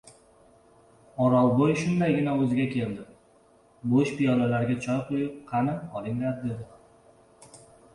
O‘rolboy shundagina o‘ziga keldi. Bo‘sh piyolalarga choy quyib, qani, olinglar, dedi.